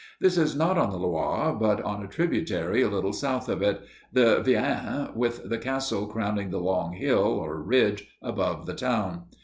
This is not on the Loire, but on a tributary a little south of it, the Vienne, with the castle crowning the long hill, or ridge, above the town.